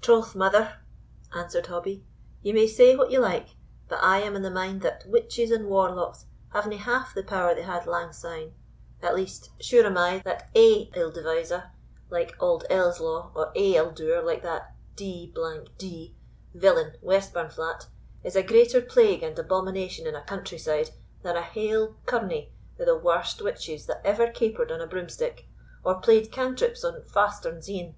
"Troth, mother," answered Hobbie, "ye may say what ye like, but I am in the mind that witches and warlocks havena half the power they had lang syne; at least, sure am I, that ae ill deviser, like auld Ellieslaw, or ae ill doer, like that d d villain Westburnflat, is a greater plague and abomination in a country side than a haill curnie o' the warst witches that ever capered on a broomstick, or played cantrips on Fastern's E'en.